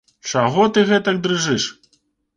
Чаго ты гэтак дрыжыш?